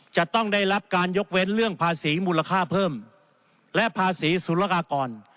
จะต้องได้รับการยกเว้นเรื่องภาษีมูลค่าเพิ่มและภาษีศูนย์ละกากร